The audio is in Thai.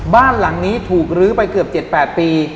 บ้านหลังนี้ถูกลื้อไปเกือบ๗๘ปี